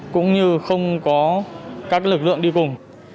cũng như không có các lực lượng đi cùng